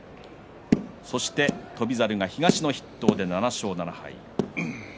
翔猿が東の筆頭で７勝７敗。